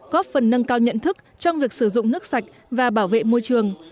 góp phần nâng cao nhận thức trong việc sử dụng nước sạch và bảo vệ môi trường